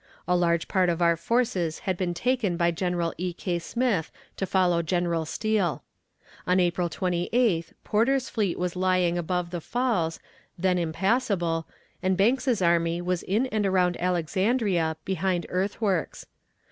A large part of our forces had been taken by General E. K. Smith to follow General Steele. On April 28th Porter's fleet was lying above the falls, then impassable, and Banks's army was in and around Alexandria behind earthworks.